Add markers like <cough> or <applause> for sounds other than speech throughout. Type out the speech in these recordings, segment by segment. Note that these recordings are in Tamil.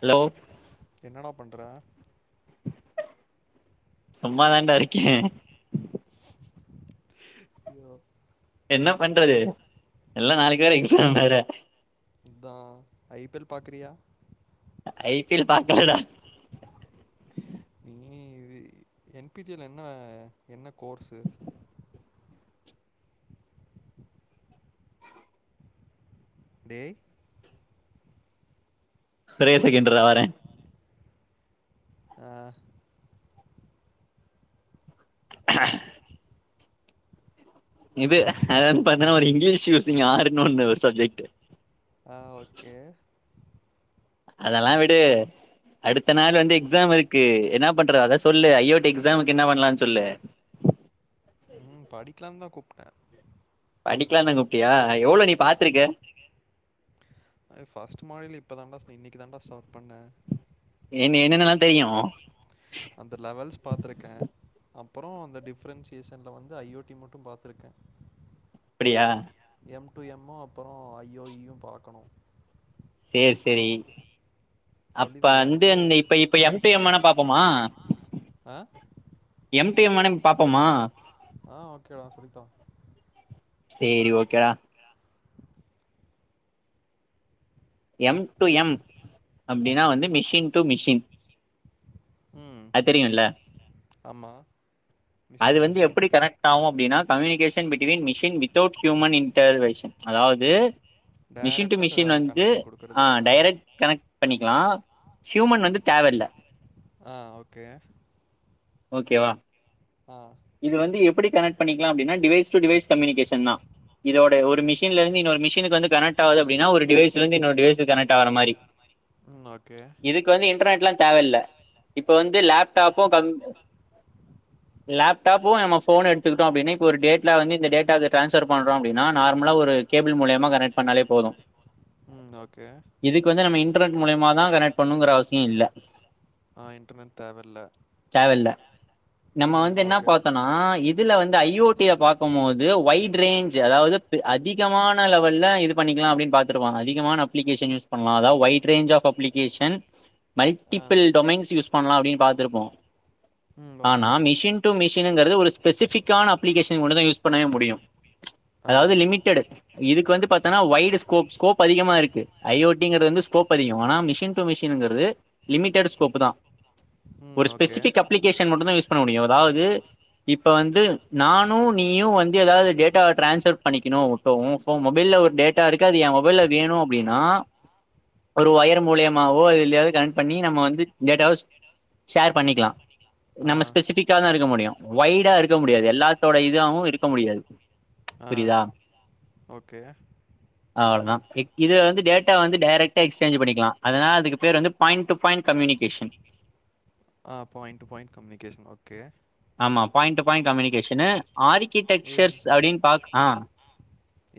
ஹலோ என்னடா பண்ற சும்மா தாண்டா இருக்கே ஐயோ என்ன பண்றது எல்லா நாளைக்கு வேற எக்ஸாம்‌ வேற அதா ஐ பி எல் பாக்குறியா ஐ பி எல் பாக்கலடா நீ இது என் பி டி யல் என்ன என்ன கோர்ஸு டேய் ஒரே செகண்றா‌ வரேன் ஆ ஆஹ் இது அத வந்து பாத்தீங்கன்னா ஒரு இங்கிலீஷ் யூசிங் யாருன்னும்ன்னு ஒரு சப்ஜெக்ட் ஆ ஓகே அதெல்லா வீடு அடுத்த நாள் வந்து எக்ஸா இருக்கு என்ன பண்றது அத சொல்லு ஐயோட் எக்ஸாமுக்கு என்ன பண்ணலாம்னு சொல்லு ம் படிக்கலாம்னு தா கூப்டே படிக்கலாம் தா கூப்டியா எவ்ளோ நீ பாத்துருக்க ஃபர்ஸ்ட் மாடல் இப்ப தாண்டா இன்னைக்கு தாண்டா ஸ்டார்ட் பண்ணே என்ன என்னென்னல்லா தெரியும் அந்த லெவல்ஸ் பாத்திருக்கே அப்பறம் அந்த டிஃப்ரென்சியேஷன்ல வந்து ஐ ஓ டி மட்டும் பாத்திருக்கே அப்பிடியா எம் டு எம்மு ம் அப்பறம் ஐ ஓ யூ பாக்கணும் சேரி சேரி சொல்லி அப்ப தரியா வந்து எனக்கு இந்த இப்ப இப்ப எம் டூ எம் வெனா பாப்போமா ஆ எம் டூ எம் வெணா பாப்போமா ஆ ஓகேடா சொல்லித்தா சேரி ஓகேடா எம் டு எம் அப்டின்னா வந்து மிஷின் டு மிஷின் உம் அது தெரியும்ல ஆமா அது வந்து எப்படி கனெக் ட் ஆவும் அப்டின்னா communication between machine without human intervention அதாவது மிஷின் டு டைரக்டா க மிஷின் வந்து கனெக்ஷன் குடுக்குறது. ஆ டைரெக்ட் கனெக்ட் பண்ணிக்கலா ஹியுமன் வந்து தேவ இல்ல ஆ ஓகே ஓகேவா ஆ இது வந்து எப்டி கனெக்ட் பண்ணிக்கலா அப்டின்னா டிவைஸ் டு டிவைஸ் கம்யூனிகேஷன்தா இதோட ஒரு மிஷின்ல இருந்து இன்னொரு மிஷனுக்கு வந்து கனெக்ட் ஆவுது அப்டினா ஒரு டிவைஸ்ல இருந்து இன்னொரு டிவைஸ்க்கு கனெக்ட் ஆகற மாறி அந்த மாறி இதுக்கு வந்து இன்டர்நெட்ல்லா தேவயில்ல இப்ப வந்து லேப்டாப்பு கம் லேப்டாப்போ நம்ம போன் எடுத்துகிட்டோ அப்டின்னா இப்போ ஒரு டேட்ல வந்து இந்த டேட்டாவ டிரான்ஸ்பஃர் பண்ணறோ அப்டினா நார்மலா ஒரு கேபிள் மூலியமா கனக்ட் பண்ணாலே போது ம் ஓகே இதுக்கு வந்து நம்ம இன்டர்நெட் மூலியமாதா கனெக்ட் பண்ணுங்கற அவசியோ இல்ல ஆ இன்டர்நெட் தேவல்ல. தேவ இல்ல ம் ஓகே நா இதுல வந்து ஐ ஓ டிய பாக்கும்போது ஒய்ட் ரேஞ்சு அதாவது அதிகமான லெவெல்ல இது பண்ணிக்கலா அப்டின் பாத்துருப்பாங்க அதிகமான அப்ளிகேஸன் யூஸ் பண்ணலா அதாவ் wide range of application <inaudible> multiple domains use பண்ணலா அப்டின் பாத்துருப்போ ம் ஆனா ஓகே. மிஷின் டூ மிஷின்ங்கறது ஒரு ஸ்பெசிபிக்கான அப்ளிகேஷன் ஒன்னுதா யூஸ் பண்ணவே முடியு ஆ, அதாவது லிமிட் டெடு இதுக்கு வந்து பத்தனா ஒய்டு ஸ்கோப் ஸ்கோப் அதிகமா இருக்கு ஐ ஓ டி ங்கறது வந்து ஸ்கோப் அதிகோ ஆனா மிஷின் டூ மிஷின்ங்கறது லிமிடெட்டு ஸ்கோப்புதா ம் ஒரு ஓகே. ஸ்பெசிபிக் அப்ளிகேஷன் மட்டுந்தா யூஸ் பண்ண முடியு அதாவ்து இப்ப வந்து நானு நீயு வந்து எதாவது டேட்டா ட்ரான்ஸ்ஃபர் பண்ணிக்கணு இப்போ உ மொபைல்ல ஒரு டேட்டா இருக்கு அது எ மொபைல்ல வேணு அப்டின்னா ஒரு ஒயரு மூலியமாவோ அது எல்லியாவது கனெக்ட் பண்ணி நம்ம வந்து டேட்டா ஹவுஸ் ஷேர் பண்ணிக்கலா ஆ, நம்ம ஸ்பெசிபிக்காதா இருக்க முடியு ஒய்டா இருக்க முடியாது எல்லாத்தோட இதாவு இருக்க முடியாது ஆ புரியுதா ஓகே அவ்ளோதா இ இது வந்து டேட்டா வந்து டைரெக்டாக எக்சேஞ்ச் பண்ணிக்கலா அதனால அதுக்கு பேர் வந்து பாயிண்ட் டு பாயிண்ட் கம்யூனிகேஷன் ஆ point to point communication okay ஆமா பாயிண்ட் டு பாயிண்ட் கம்யூனிகேஷனு இது ஆர்கிடெக்சர்ஸ் அப்டின்னு பாக் அ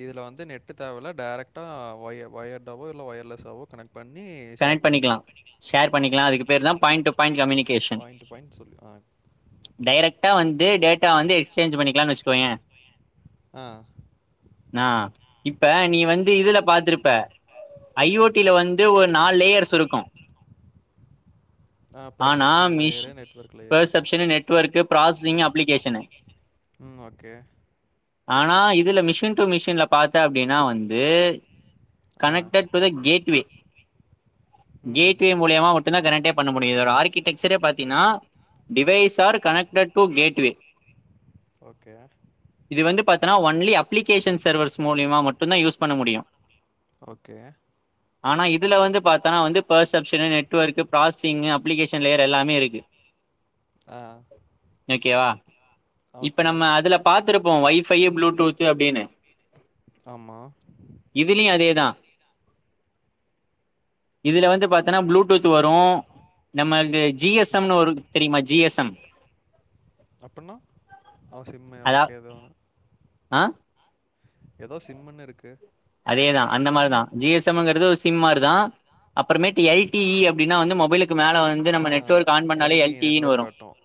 இதுல வந்து நெட்டு தேவ இல்ல டைரக்டா ஒயர் ஒயர்டாவோ இல்ல ஒயர்லெஸ்ஸாவோ கனெக்ட் பண்ணி ஷேர் கனெக்ட் பண்ணிக்கலா பண்ணிக்கலாம் ஷேர் பண்ணிக்லா அதுக்கு பேர்தா பாயிண்ட டு பாயிண்ட கம்யூனிக் பாயிண்ட் டூ பாயிண்ட் சொல் டைரெக்டாக வந்து டேட்டா வந்து எக்ஸ்சேஞ்ச் பண்ணிக்கலான் வெச்சுக்கோயே ஆ இப்ப நீ வந்து இதுல பாத்துருப்ப ஐ ஓ டி ல வந்து ஒரு நாலு லேயர்ஸ் இருக்கு ஆனா மிஷ் பெர்சப்ஷனு நெட்வொர்க்கு ப்ராசஸிங் அப்ளிகேஷனு ம் ஓகே ஆனா இதுல மிஷின் டு மிஷின்ல பாத்த அப்டின்னா வந்து connected to the gateway gateway மூலியமா மட்டு தா கனட்டே பண்ண முடியு இதோட ஆர்கிடெக்சரே பாத்தீங்னா device are connected to gateway okay இது வந்து பாத்தன்னா ஒன்லி அப்ளிகேஷன் சர்வர்ஸ் மூலியமா மட்டுந்தா யூஸ் பண்ண முடியு ஓகே ஆனா இப் துல வந்து பாத்தோனா வந்து perception network processing application layer எல்லாமே இருக்கு ஆ ஓகேவா இப்ப நம்ம அதுல பாத்துருப்போ ஒய்ஃபைய்யி ப்ளூடூத்து அப்டின்னு ஆமா இதுலியு அதேதா இதில வந்து பாத்தோன்னா ப்ளூடூத் வரு நமக்கு ஜி எஸ் எம்னு ஒரு தெரியுமா ஜி எஸ் எம் அப்புன்னா சிம்மை அதா ஓகே எது ஆ ஏதோ சிம்ன்னுர்க்கு அதேதா அந்த மாரிதா ஜி எஸ் எம்ங்குறது ஒரு சிம் மாரிதா அப்புறமேட்டு எல் டி இ அப்டினா வந்து மொபைல மேல வந்து ஆ நம்ம நெட் ஓர்க் ஆன் பண்ணாலே எல்டிஇ எல் டி னு நெட்வொர்க் வரு காட்டும்.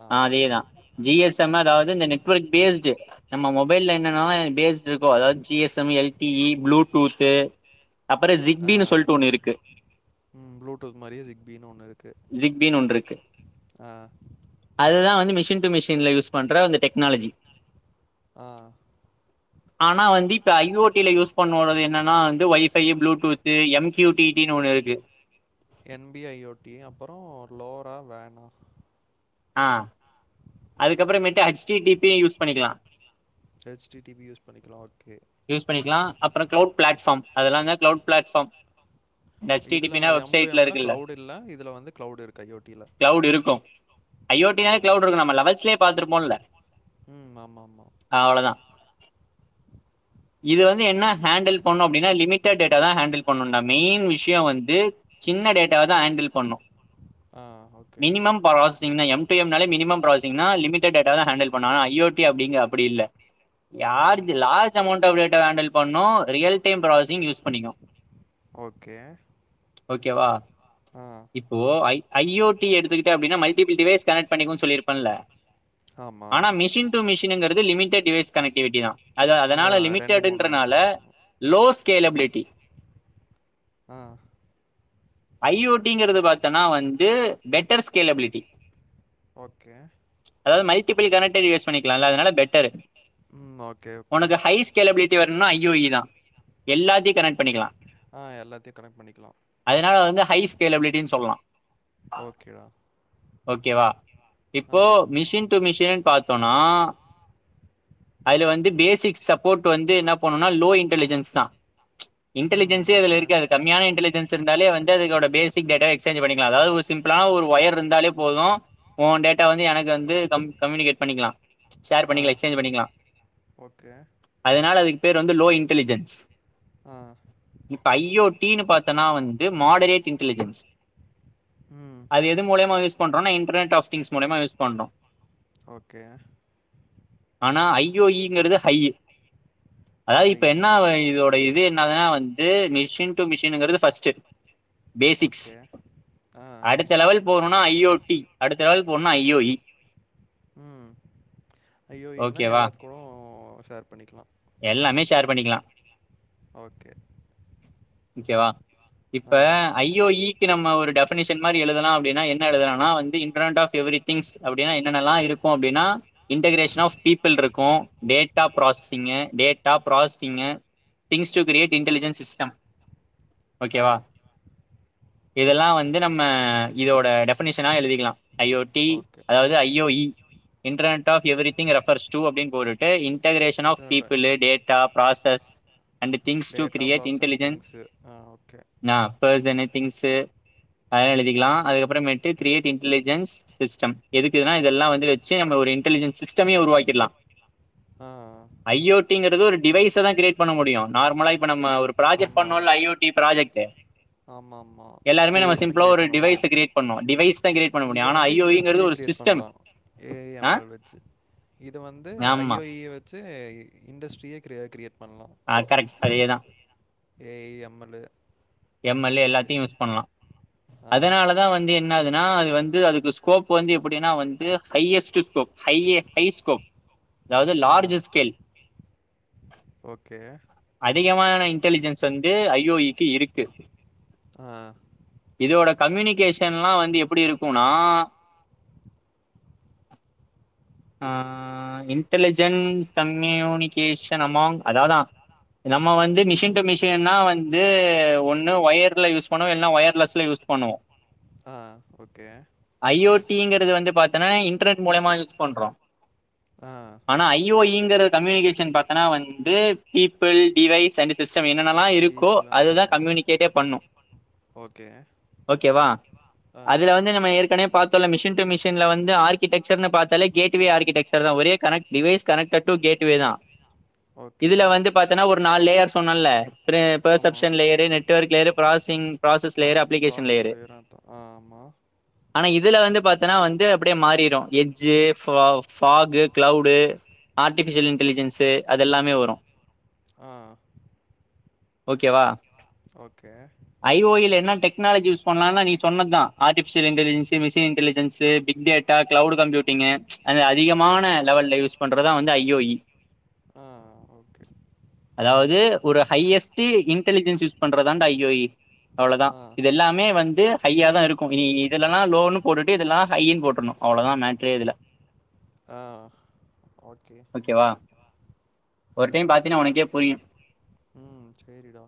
ஆ ஓகே. அதேதா ஜி எஸ் எம் அதாவது இந்த நெட் ஒர்க் பேஸ்டு நம்ம மொபைல்ல என்னன்ன பேஸ்ட் இருக்கோ அதாவது ஜிஎஸ்எம் எல்டிஇ ப்ளூடூத்து அப்புறோ ஆ ஜிக்பின்னு சொல்லிட்டு ஒண்ணு இருக்கு ம் ப்ளூடூத் மாரியே சிக்பின்னு ஒண்ணு இருக்கு ஜிக்பீன் ஒன் ருக்கு ஆ அதுதா வந்து மிஷின் டு மிஷின்ல யூஸ் பண்ற அந்த டெக்னாலஜி ஆ ஆனா வந்து இப்ப ஐ ஓட் யூஸ் பண்ணோடது என்னான்னா வந்து wifi bluetooth MQ T T ன்னு ஒன்னு இருக்கு என்பிஐஓடி அப்பறொ லோரா வேனா ஆ அதுக்கப்றமேட்டு ஹச் டி டிபிய யூஸ் பண்ணிக்லா ஹச்டிடிவி யூஸ் பண்ணிக்லா ஓகே யூஸ் பண்ணிக்லா அப்றொ க்ளவுட் ஃபிளாட்பாம் அதெல்ல தா க்லவுட் பிளாட்பாம் ஹெச் டி இதுல டிபினா எம் டூ வெப்சைட்ல எம்ல இருக்குல்ல கிளவுட் இல்ல. இதுல வந்து கிளவுட் இருக்கு ஐஓடில. கிளவுட் இருக்கு ஆ. ஐஓடினாவே க்ளவுட் ருக்கு நம்ம லெவல்ஸ்லே பாத்துருப்போல்ல ம் ஆமா மா அவ்ளொதா இது வந்து என்ன ஹேண்டில் பண்ணு அப்டின்னா லிமிடட் டேட்டா தா ஹேண்டில் பண்ணுன்டா மெயின் விஷ்யோ வந்து சின்ன டேட்டாவ தா ஹேண்டில் பண்ணு ஆ ஓகே டிஎம்னாலே மினிமம் ப்ராஸிங்னா லிமிடெட் டேட்டா தா ஹேண்டில் பண்ணு ஆனா ஐயோட்டி அப்டிங்க அப்படி இல்ல ஆ. யார்ஜ் large amount of data handle பண்ணு ரியல் டைம் ப்ராசஸிங் யூஸ் பண்ணிக்கு ஓகே ஓகேவா ஆ இப்போ ஐ ஐயோட்டி எடுத்துக்கிட்ட அப்டின்னா மல்டிபி டிவேஸ் கனேட் பண்ணிக்குனு சொல்லிருப்பேல்ல ஆமா. ஆனா மிஷின் டு மிஷினுங்கிறது லிமிடெட் டிவைஸ் கனெக்டிவிட்டி தா அது இதனால அவன் லிமிடெட்டுன்றனால கனெக்ட் பண்ணுவான். லோ ஸ்கேலபிலிட்டி ஆ ஐ ஓட்டிங்கிறது பாஸ்கெட். பாத்தனா வந்து பெட்டர் ஸ்கேலபிலிட்டி ஓகே அதாவது மல்டிபிள் கனெக்டர் யூஸ் பண்ணிக்கலால்ல அதனால பெட்டரு ம் ஓக் உனக்கு ஹை ஸ்கேலபிலிட்டி வரனுனா ஐ ஓ இ தா எல்லாத்தியு கனெக்ட் பண்ணிக்கலா ஆ எல்லாத்தையு கனெக்ட் பண்ணிக்கலா அதனால வந்து ஹை ஸ்கேலபிலிட்டின் சொல்லலா ஓகேடா ஓகே வா ஆ. இப்போ மிஷின் டு மிஷின் பாத்தோனா அதுல வந்து பேசிக்ஸ் சப்போட் வந்து என்ன பண்ணுனா லோ இன்டலிஜென்ஸ் தா ம் இன்டலிஜன்ஸே அதுல ஓகே இருக்காது கம்மியான இன்டலி ஜன்ஸ் இருந்தாலே வந்து அதுக்கோட பேசிக் டேட்டாவ எக்ஸ்சேஞ்ச் பண்ணிக்கலா அதாவது ஒரு சிம்பிளா ஒரு ஒயர்ருந்தாலே போது ஒ டேட்டா வந்து எனக்கு வந்து கம் கம்யூனிகேட் பண்ணிக்கலா ஷேர் ஆ பண்ணிக்கலா எக்ஸ்சேஞ்ச் பண்ணிக்கலா ஓகே அதனால அதுக்கு பேர் வந்து லோ இன்டெலிஜென்ஸ் ஆ இப்ப ஐ ஓ டினு பாத்தனா வந்து மாடரேட் இன்டலிஜென்ஸ் ம் அது எது மூலியமா யூஸ் பண்ணறோ நா இன்டர்னெட் ஆப் திங்ஸ் மூலியமா யூஸ் பண்றோ ஓகே ஆனா ஐயோயிங்கிறது ஹைய்யி அதாவது ஐ இப்ப என்னா ஆ, ஓகே இதோ ட இது என்னாதுனா வந்து மிஷின் டூ மிஷினுங்கிறது ஃபஸ்ட்டு பேசிக்ஸ் ஓகே ஆ அடுத்த லெவல் போனுனா ஐ ஓ டி அடுத்த லெவல் போனுனா ஐ ஓ இ ம் ஜ ஓ இ னா ஓகேவா எல்லாத்து கூடோ ஷேர் பண்ணிக்கலா எல்லாமே ஷேர் பண்ணிக்கலா ஓகே ஓகேவா ஆ இப்ப ஐ ஓ இ நம்ம ஒரு டெபனிஷன் மாரி எழுதலா அப்டின்னா என்ன எழுதுலானா வந்து இன்டர்நெட் ஆப் எவ்ரிதிங்ஸ் அப்டின்னா என்னென்னல்லா இருக்கு அப்டினா இன்டகரேஷன் ஆப் பீப்பிள்ருக்கு data processing data processing things to create and intelligence system ஆ ஓகேவா இதெல்லா வந்து நம்ம இதோட டெபனிஷனா எழுதிக்கலா ஐ ஓ டி ஓகே அதாவது I O E internet of everything refers to அப்டின் போட்டுட்டு இன்டகரேஷன் ஆஃப் இன்டர்நெட்டில் people data process and things to data create processing இன்டெலிஜென் things ah okay. நா‌ ஃபர்சனு திங்சு பய எழுதிக்கலா அதுக்கப்பறமேட்டு கிரியேட் இன்டெிலிஜென்ஸ் சிஸ்டம் எதுக்குனா இதெல்லா வந்து வெ ச்சி நம்ம ஒரு இன்டெலிஜன் சிஸ்டமே உருவாக்கிர்லா ஆ ஐ ஓ டிங்கிறது ஒரு டிவைஸ தா கிரியேட் பண்ண முடியு நார்மலா இப்ப நம்ம ஒரு ப்ராஜெக்ட் ஆமா. பண்ணோல்ல ஐ ஓ டி பிராஜெக்ட்டு ஆமாமா. எல்லாருமே நம்ம டிவைஸ் தான் சிம்பிளா கிரியேட் ஒரு பண்ண முடியும். டிவைஸ கிரியேட் பண்ணு டிவைஸ் தா கிரியேட் பண்ண முடியு ஆனா ஐ ஓ ஈங்கிறது ஒரு சிஸ் பண்ணலா ஏ ஐ எம் எல் வச்சி இது வந்து ஐ ஆமா ஓ இ வச் சி இண்டஸ்ட்ரியே கிரி கிரியேட் பண்ணலா ஆ கரெக்ட் அதேதா A I M L M L எல்லாத்தையு யூஸ் பண்ணலா ஆ, அதனாலதா வந்து என் னாகுதுன்னா அது வந்து அதுக்கு ஸ்கோப் வந்து எப்டின்னா வந்து highest scope high high scope அதாவது ஆ. லார்ஜ் ஸ்கேல் ஓகே அதிகமான இன்டலிஜென்ஸ் வந்து ஐ ஓ இக்கு இருக்கு ஆ இதோட கம்யூனிகேஷன்லா வந்து எப்டி இருக்குனா ஆ இன்டெலிஜென்ஸ் கம்யூனிகேஷன் அமாங் அதாது நம்ம வந்து மிஷின் டூ மிஷின்னா வந்து ஒண்ணு ஒயர்ல யூஸ் பண்ணுவோ இல்லன்னா ஒயர்லெஸ்ல யூஸ் பண்ணுவோ ஆ ஓகே ஐ ஓ டிங்கிறது வந்து பாத்தன்னா இன்டர்நெட் மூலியமா யூஸ் பண்றோ ஆ ஆனா ஐ ஓ இங்கிற கம்யூனிகேஷன் பாத்தனா வந்து பீப்பிள் டிவைஸ் அண்ட் சிஸ்டம் என்னன்ன லா இருக்கோ பீப்பிள் அதுதா அதான். கம்யூனிகேட்டே பண்ணு ஓகே. ஓகேவா ஆ. அதுல வந் து நம்ம ஏற்கனவே பத்தோல்ல மிஷின் டூ மிஷின்ல வந்து ஆர்கிடெக்சர்ன்னு பாத்தால கேட்டுவே ஆர்கிடெக்சர் தா ஒரே connect device connected to gateway தா இதேதா இதுல வந்து பாத்தன்னா ஒரு நாலு லேயர் சொன்னன்ல பிரே ஆமா. Perception layer network layer processing process process layer அதா ஆ ஆமா ஆனா இதுல வந்து பாத்தன்னா வந்து அப்டியே மாறிறு எஜ்ஜு பா பாஃகு கிளவுடு ஆர்டிஃபிஷியல் இன்டலிஜென்ஸு அது எல்லாமே வரு ஆ ஓகேவா ஓகே ஐ ஓ எல்ல என்ன டெக்னாலஜி யூஸ் பண்ணலான்னா நீ சொன்னதுதா artificial intelligence machine intelligence பிக்கேட் cloud computing அந்த அதிகமான லெவல்லா யூஸ் பண்றதுதா வந்து ஐ ஓ இ ஆ ஓகே. அதாவது ஒரு ஹையஸ்ட் இன்டெலிஜென்ஸ் யூஸ் பண்றதான்ட ஐ ஓ இ அவ்ளதா ஆ. இதெல்லாமே வந்து ஹைய்யா தா இருக்கு இனி இது இல்லன்னா லோன்னு போட்டுட்டு இதெல்லா ஹைய்ன்னு போட்ருணு அவ்ளதா மேட்ரே இதுல ஆ ஓகே ஓகேவா ஒரு டைம் பாத்தீன்னா உனக்கே புரியு சேரிடா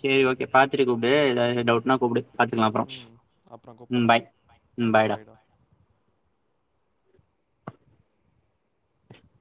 சேரி ஓகே பாத்துட்டு கூப்டு ஏதாவது டவுட்ன்னா கூப்டு பாத்துக்கலா அப்பறோ அப்பறோ கூப்ட்றே ம் பாய்டா